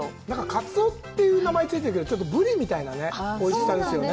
カツオっていう名前付いてるけどブリみたいなねおいしさですよね